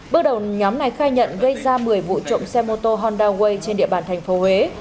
bước đầu nhóm này khai nhận gây ra một mươi vụ trộm xe mô tô honda way trên địa bàn tp huế